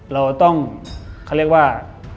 เราต้องเขาเรียกว่า